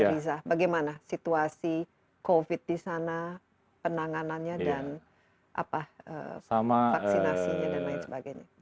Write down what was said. udah riza bagaimana situasi covid di sana penanganannya dan apa vaksinasi dan lain sebagainya